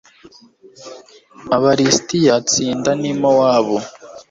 aba lisitiya atsinda n i mowabu